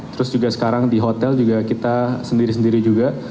terus juga sekarang di hotel juga kita sendiri sendiri juga